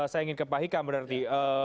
saya ingin ke pak hikam berarti